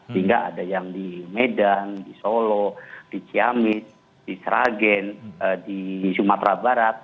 sehingga ada yang di medan di solo di ciamis di sragen di sumatera barat